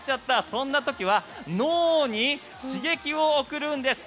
そんな時は脳に刺激を送るんです。